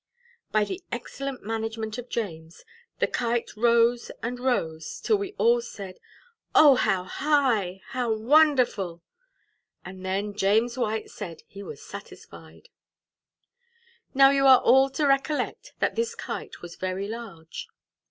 By the excellent management of James, the Kite rose and rose, till we all said, "O, how high! how wonderful!" And then James White said he was satisfied. Now you are all to recollect that this Kite was very large.